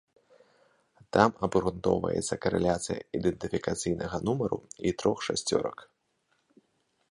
Там абгрунтоўваецца карэляцыя ідэнтыфікацыйнага нумару і трох шасцёрак.